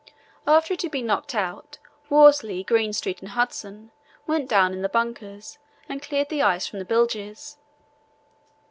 After it had been knocked out Worsley, Greenstreet, and Hudson went down in the bunkers and cleared the ice from the bilges.